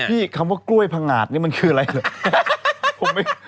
คำว่ากล้วยพังงาดนี่มันคืออะไรเหรอ